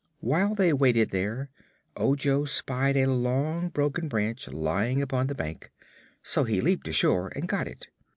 While they waited here, Ojo spied a long broken branch lying upon the bank, so he leaped ashore and got it.